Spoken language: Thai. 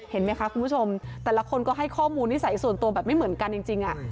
เห็นไหมคะคุณผู้ชมแต่ละคนก็ให้ข้อมูลนิสัยส่วนตัวแบบไม่เหมือนกันจริง